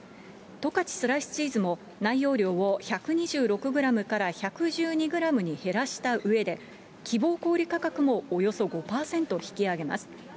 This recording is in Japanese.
十勝スライスチーズも内容量を１２６グラムから１１２グラムに減らしたうえで、希望小売価格もおよそ５％引き上げます。